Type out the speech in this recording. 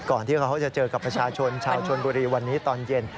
ก่อนที่เขาจะเจอกับประชาชนชาวชนบุรีวันนี้ตอนเย็น